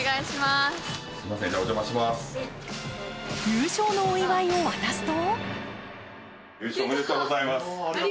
優勝のお祝いを渡すと？